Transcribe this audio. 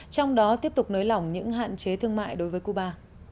trong đó tiếp tục nới lỏng những hạn chế thương mại đối với cuba